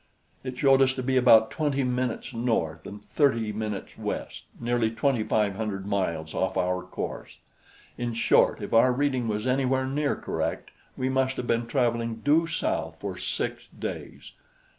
It showed us to be about 20º north and 30º west nearly twenty five hundred miles off our course. In short, if our reading was anywhere near correct, we must have been traveling due south for six days.